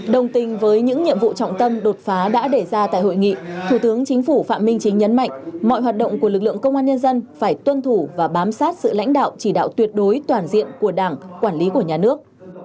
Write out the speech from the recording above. đồng tình với những nhiệm vụ trọng tâm đột phá đã đề ra tại hội nghị thủ tướng chính phủ phạm minh chính nhấn mạnh mọi hoạt động của lực lượng công an nhân dân phải tuân thủ và bám sát sự lãnh đạo chỉ đạo tuyệt đối toàn diện của đảng quản lý của nhà nước